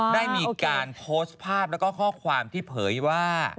ได้มีการโพสต์ภาพแล้วก็ข้อความที่เผยว่า